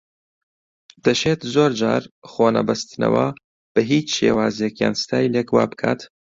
دەشێت زۆر جار خۆنەبەستنەوە بە هیچ شێوازێک یان ستایلێک وا بکات